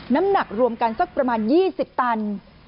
น้ำหนักรวมกันสักประมาณ๒๐ตัน